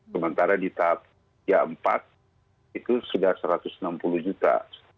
sementara di tahap empat itu sudah satu ratus enam puluh juta